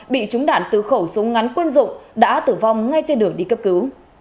bị trúng đạn từ khẩu súng ngắn quân dụng đã tử vong ngay trên đường đi cấp cứu